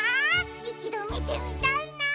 いちどみてみたいな！